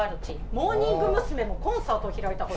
モーニング娘。もコンサートを開いた事がある。